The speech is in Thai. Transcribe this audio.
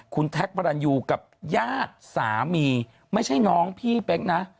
คุณแท็กพระรันยูกับญาติสามีไม่ใช่น้องพี่เป๊กนะ